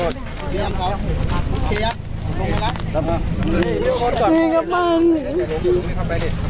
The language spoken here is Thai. ลงมาอยู่กับเขากับลูกเนอะ